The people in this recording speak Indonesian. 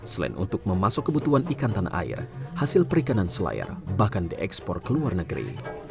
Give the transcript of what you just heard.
selain untuk memasuk kebutuhan ikan tanah air hasil perikanan selayar bahkan diekspor ke luar negeri